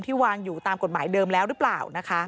วางอยู่ตามกฎหมายเดิมแล้วหรือเปล่านะคะ